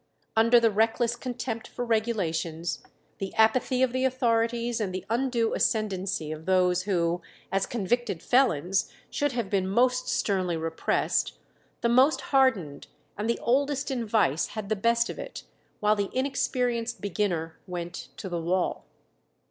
Under the reckless contempt for regulations, the apathy of the authorities, and the undue ascendancy of those who, as convicted felons, should have been most sternly repressed, the most hardened and the oldest in vice had the best of it, while the inexperienced beginner went to the wall.